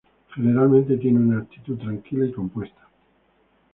Generalmente tiene una actitud tranquila y compuesta.